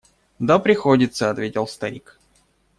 – Да, приходится, – ответил старик.